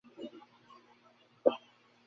পরিবর্তন দেখার জন্য প্রস্তুত থাকুন।